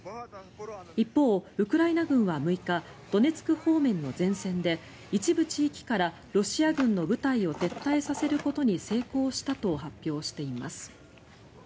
一方、ウクライナ軍は６日ドネツク方面の前線で一部地域からロシア軍の部隊を撤退させることに成功したと発表しています。